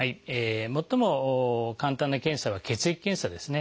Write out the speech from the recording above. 最も簡単な検査は血液検査ですね。